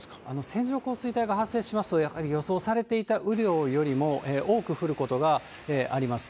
線状降水帯が発生しますと、やはり予想されていた雨量よりも多く降ることがあります。